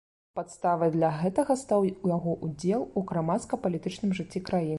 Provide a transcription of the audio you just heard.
Падставай для гэтага стаў яго ўдзел у грамадска-палітычным жыцці краіны.